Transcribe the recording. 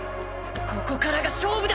ここからが勝負だ！